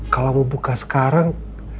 kalau mau buka sekarang